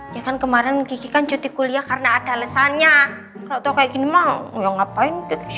ya kan kemarin gigikan cuti kuliah karena ada alesannya atau kayak gini mah ngapain